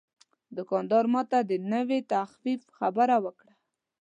دوکاندار ماته د نوې تخفیف خبره وکړه.